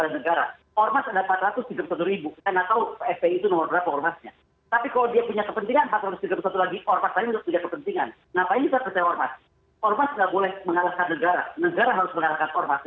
dan disitulah kepentingannya kayak ini pak